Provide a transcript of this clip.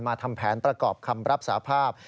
มาทำแผนตระกอบคำภาพสาภาพ